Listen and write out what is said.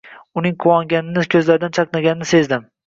Uning quvonganini ko`zlari chaqnaganidan sezdim